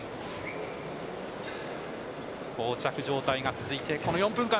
膠着状態が続いて４分間。